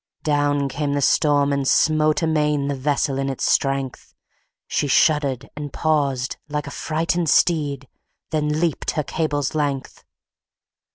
Down came the storm, and smote amain, The vessel in its strength: She shuddered and paused, like a frighted steed, Then leaped her cable's length.